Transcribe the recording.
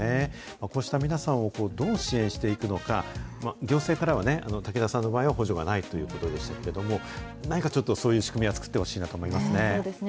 こうした皆さんをどう支援していくのか、行政からは竹田さんの場合は補助がないということでしたけれども、何かちょっとそういう仕組みは作ってほしいなと思いますね。